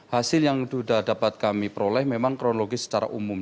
hasil yang sudah dapat kami peroleh memang kronologis secara umum